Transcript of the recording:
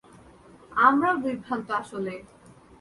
আমরাও বিভ্রান্ত আসলে।